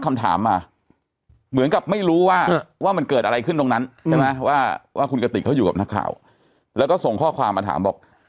คำถามมาเหมือนกับไม่รู้ว่าว่ามันเกิดอะไรขึ้นตรงนั้นใช่ไหมว่าคุณกติกเขาอยู่กับนักข่าวแล้วก็ส่งข้อความมาถามบอก